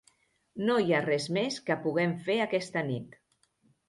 No hi ha res més que puguem fer aquesta nit.